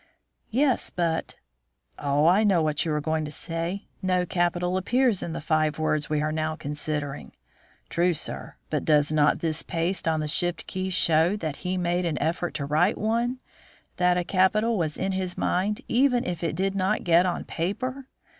"Yes, but " "Oh, I know what you are going to say: 'No capital appears in the five words we are now considering.' True, sir, but does not this paste on the 'Shift key' show that he made an effort to write one; that a capital was in his mind even if it did not get on paper?